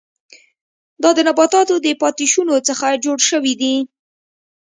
دا د نباتاتو د پاتې شونو څخه جوړ شوي دي.